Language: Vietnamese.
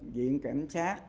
viện kiểm tra